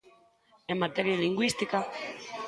En materia lingüística.